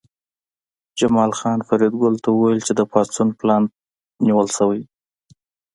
جمال خان فریدګل ته وویل چې د پاڅون پلان نیول شوی